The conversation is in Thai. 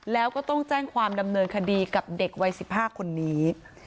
แล้วก็ต้องแจ้งความดำเนินคดีกับเด็กวัย๑๕คนนี้